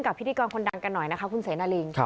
พิธีกรคนดังกันหน่อยนะคะคุณเสนาลิง